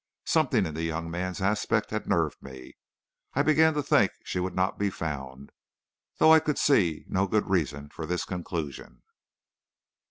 Something in the young man's aspect had nerved me. I began to think she would not be found, though I could see no good reason for this conclusion.